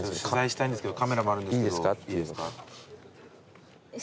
「取材したいんですけどカメラもあるんですけどいいですか？」